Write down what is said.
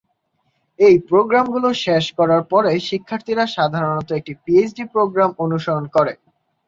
এই প্রোগ্রামগুলি শেষ করার পরে, শিক্ষার্থীরা সাধারণত একটি পিএইচডি প্রোগ্রাম অনুসরণ করে।